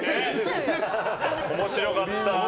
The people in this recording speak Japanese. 面白かった。